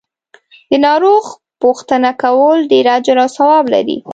د ناروغ پو ښتنه کول ډیر اجر او ثواب لری .